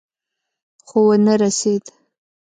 خو ونه رسېد.